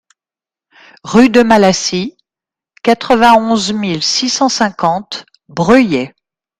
Rue de Malassis, quatre-vingt-onze mille six cent cinquante Breuillet